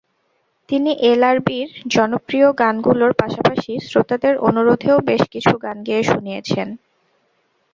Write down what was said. তিনি এলআরবির জনপ্রিয় গানগুলোর পাশাপাশি শ্রোতাদের অনুরোধেও বেশ কিছু গান গেয়ে শুনিয়েছেন।